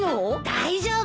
大丈夫。